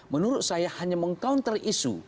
menurut saya hanya meng counter isu